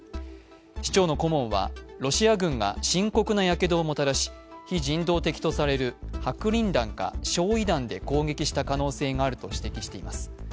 市長の顧問はロシア軍が深刻なやけどをもたらし非人道的とされる白リン弾か焼い弾で攻撃した可能性があると指摘しています。